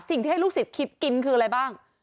สิ่งที่ให้ลูกศิษย์คิดกินคืออะไรบ้าง